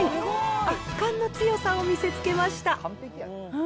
圧巻の強さを見せつけました。